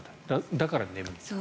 だから眠い。